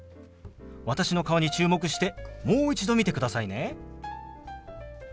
私の顔に注目してもう一度見てくださいね。